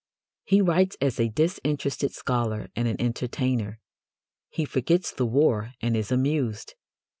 He writes as a disinterested scholar and an entertainer. He forgets the war and is amused.